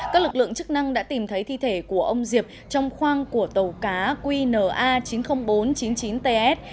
các lực lượng chức năng đã tìm thấy thi thể của ông diệp trong khoang của tàu cá qna chín mươi nghìn bốn trăm chín mươi chín ts